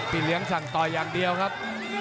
เลี้ยงสั่งต่อยอย่างเดียวครับ